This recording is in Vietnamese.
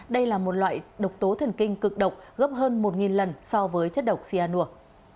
đây là một loại độc tố thần kinh cực độc gấp hơn một lần so với chất độc cyanur